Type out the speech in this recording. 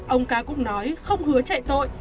ông ca cũng nói không hứa chạy tội